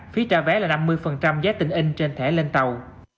phí trả vé là năm mươi giá tình in trên thẻ lên tàu